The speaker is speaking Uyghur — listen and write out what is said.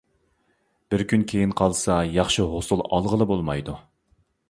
بىر كۈن كېيىن قالسا ياخشى ھوسۇل ئالغىلى بولمايدۇ.